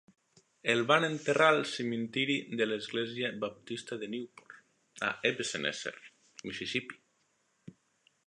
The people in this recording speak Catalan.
El van enterrar al cementiri de l'església baptista de Newport, a Ebenezer, Mississipí.